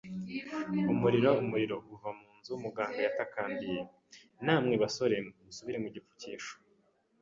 “Umuriro - umuriro uva mu nzu!” muganga yatakambiye. “Namwe basore, musubire mu gipfukisho.”